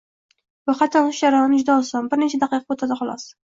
Ro’yxatdan o’tish jarayoni juda oson, bir necha daqiqa vaqt oladi, xolos